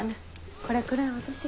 これくらい私が。